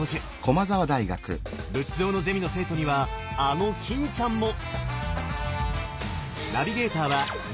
仏像のゼミの生徒にはあの欽ちゃんも！